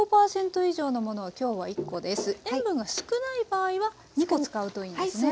塩分が少ない場合は２コ使うといいんですね。